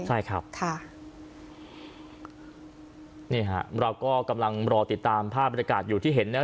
ใช่ครับค่ะนี่ฮะเราก็กำลังรอติดตามภาพบรรยากาศอยู่ที่เห็นนะ